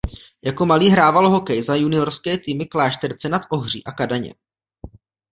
Jako malý hrával hokej za juniorské týmy Klášterce nad Ohří a Kadaně.